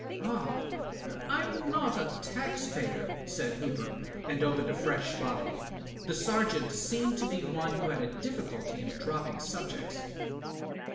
"Ahl I'm not a tax payer," said Hooper, and opened a fresh bottle. The Sergeant seemed to be one who had a difficulty in dropping subjects.